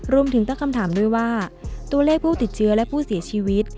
รวมถึงตั้งคำถามด้วยว่าตัวเลขผู้ติดเชื้อและผู้เสียชีวิต